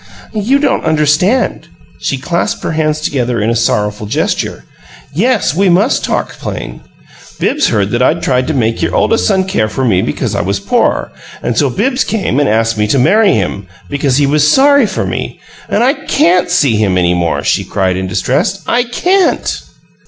"You don't understand." She clasped her hands together in a sorrowful gesture. "Yes, we must talk plain. Bibbs heard that I'd tried to make your oldest son care for me because I was poor, and so Bibbs came and asked me to marry him because he was sorry for me. And I CAN'T see him any more," she cried in distress. "I CAN'T!"